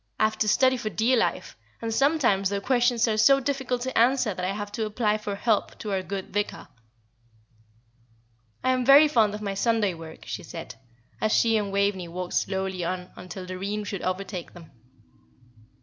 I have to study for dear life, and sometimes their questions are so difficult to answer that I have to apply for help to our good Vicar. "I am very fond of my Sunday work," she said, as she and Waveney walked slowly on until Doreen should overtake them.